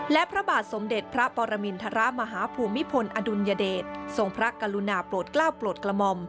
และพระบาทสมเด็จพระปรมินทรมาฮภูมิพลอดุลยเดชทรงพระกรุณาโปรดกล้าวโปรดกระหม่อม